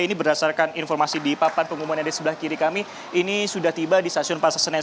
ini berdasarkan informasi di papan pengumuman yang ada di sebelah kiri kami ini sudah tiba di stasiun pasar senen